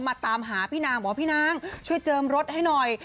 ตามหาพี่นางบอกว่าพี่นางช่วยเจิมรถให้หน่อย